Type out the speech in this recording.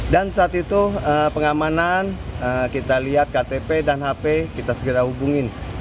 dan saat itu pengamanan kita lihat ktp dan hp kita segera hubungin